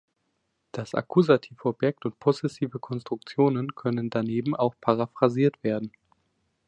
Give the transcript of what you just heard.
Das Akkusativobjekt und possessive Konstruktionen können daneben auch paraphrasiert werden.